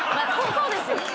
そうです。